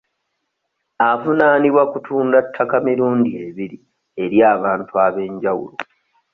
Avunaanibwa kutunda ttaka mirundi ebiri eri abantu ab'enjawulo.